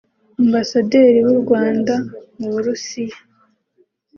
Ambasaderi w’u Rwanda mu Burusiya